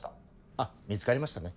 あっ見つかりましたね。